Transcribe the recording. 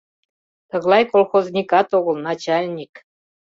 Тыглай колхозникат огыл, начальник.